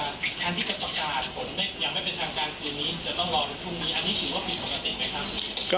จะต้องรอหรือพรุ่งนี้อันนี้ถือว่าเป็นปกติไหมครับ